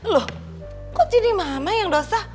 loh kok jadi mama yang dosa